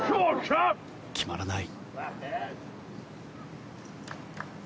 決まらない。